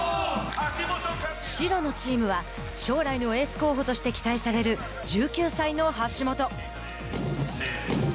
白のチームは、将来のエース候補として期待される１９歳の橋本。